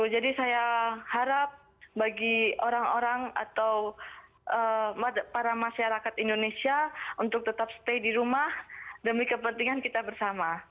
jadi saya harap bagi orang orang atau para masyarakat indonesia untuk tetap stay di rumah demi kepentingan kita bersama